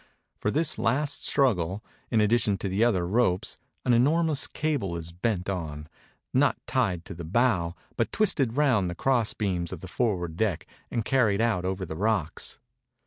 For this last struggle, in addition to the other ropes, an enormous cable is bent on, not tied to the bow, but twisted round the cross beams of the forward deck, and carried out over the rocks.